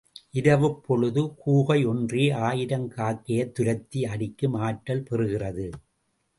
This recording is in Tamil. இரவுப்பொழுது கூகை ஒன்றே ஆயிரம் காக்கையைத் துரத்தி அடிக்கும் ஆற்றல் பெறுகிறது.